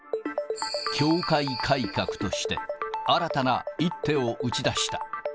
教会改革として、新たな一手を打ち出した。